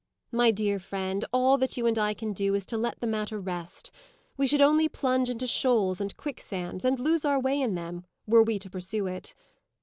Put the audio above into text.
"My dear friend, all that you and I can do, is to let the matter rest. We should only plunge into shoals and quicksands, and lose our way in them, were we to pursue it."